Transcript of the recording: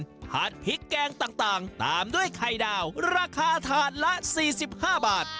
ผัดพริกแกงต่างตามด้วยไข่ดาวราคาถาดละ๔๕บาท